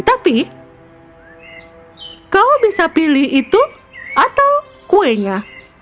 tapi kau bisa pilih itu atau kuenya